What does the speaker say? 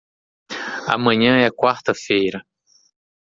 Amanhã é quarta-feira.